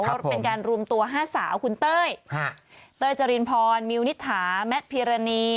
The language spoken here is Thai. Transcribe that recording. ก็เป็นการรวมตัว๕สาวคุณเต้ยเต้ยจรินพรมิวนิษฐาแมทพิรณี